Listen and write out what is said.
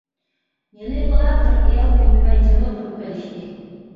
ھېلىقىلار بىر ئېغىز ئۈندىمەي جىملا تۇرۇپ قېلىشتى.